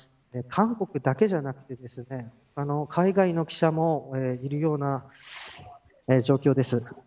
韓国だけでなく海外の記者もいるような状況です。